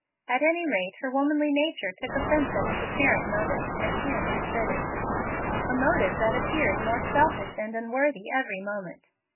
At any rate her womanly nature took offence at his apparent motive, as she understood it a motive that appeared more selfish and unworthy every moment.